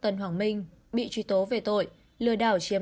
năm bị cáo khác gồm